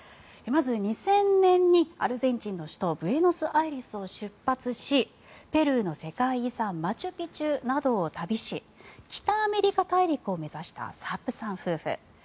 まず、２０００年にアルゼンチンの首都ブエノスアイレスを出発しペルーの世界遺産マチュピチュなどを旅し北アメリカ大陸を目指したサップさん夫婦。